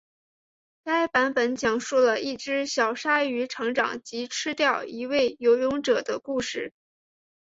该版本讲述了一只小鲨鱼成长及吃掉一位游泳者的故事。